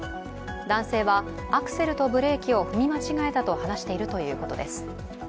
男性はアクセルとブレーキを踏み間違えたと話しているということです。